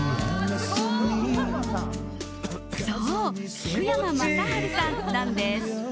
そう、福山雅治さんなんです。